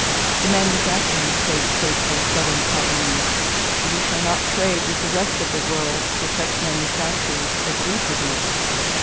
The manufacturing states say to their Southern colonies: 'You shall not trade with the rest of the world for such manufactures as we produce.'"